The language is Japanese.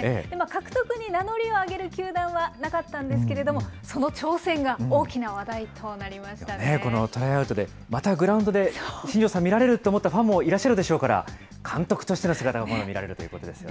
獲得に名乗りを上げる球団はなかったんですけれども、その挑戦がこのトライアウトで、またグラウンドで新庄さん見られると思ったファンもいらっしゃるでしょうから、監督としての姿が今度見られるということですよね。